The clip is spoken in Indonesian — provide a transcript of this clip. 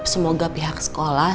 semoga pihak sekolah